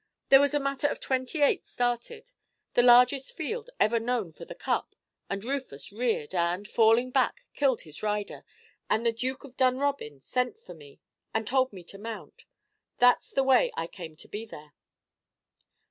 There was a matter of twenty eight started, the largest field ever known for the Cup, and Rufus reared, and, falling back, killed his rider; and the Duke of Dunrobin sent for me, and told me to mount. That's the way I came to be there."